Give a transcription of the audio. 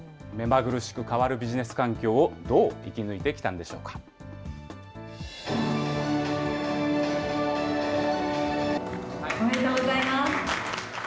目まぐるしく変わるビジネス環境をどう生き抜いてきたんでしょうおめでとうございます。